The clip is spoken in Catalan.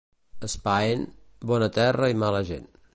Espaén, bona terra i mala gent.